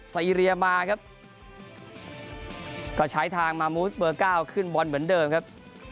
ซีเรียมาครับก็ใช้ทางมามูสเบอร์เก้าขึ้นบอลเหมือนเดิมครับ